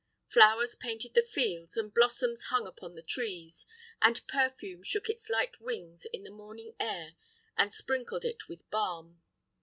Flowers painted the fields, and blossoms hung upon the trees, and perfume shook its light wings in the morning air and sprinkled it with balm.